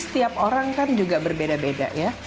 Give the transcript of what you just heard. setiap orang kan juga berbeda beda ya